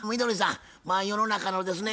まあ世の中のですね